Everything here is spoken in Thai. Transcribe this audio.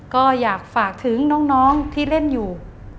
ก็อยากฝากถึงน้องที่เล่นอยู่